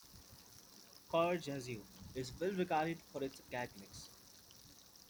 Cor Jesu is well regarded for its academics.